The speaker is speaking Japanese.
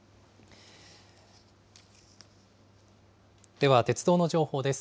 では鉄道の情報です。